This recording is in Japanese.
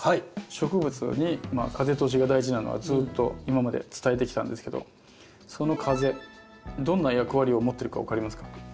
植物に風通しが大事なのはずっと今まで伝えてきたんですけどその風どんな役割を持ってるか分かりますか？